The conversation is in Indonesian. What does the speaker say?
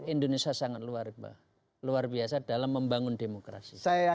indonesia sangat luar biasa dalam membangun demokrasi